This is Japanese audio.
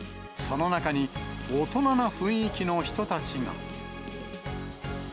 その中に、大人な雰囲気の人たちが。